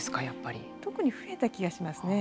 特に増えた気がしますね。